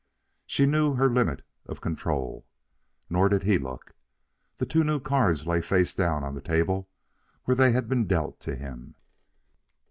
She knew her limit of control. Nor did he look. The two new cards lay face down on the table where they had been dealt to him.